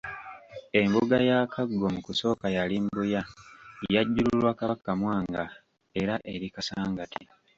Embuga ya Kaggo mu kusooka yali Mbuya, Yajjululwa Kabaka Mwanga era eri Kasangati.